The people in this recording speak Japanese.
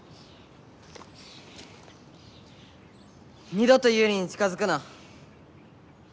二度とユウリに近づくな！